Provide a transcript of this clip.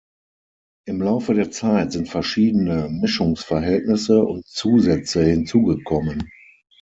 Im Laufe der Zeit sind verschiedene Mischungsverhältnisse und Zusätze hinzugekommen.